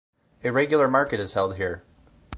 A regular market is held here.